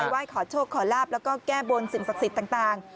ไหว้ขอโชคขอลาบแล้วก็แก้บนสิ่งศักดิ์สิทธิ์ต่าง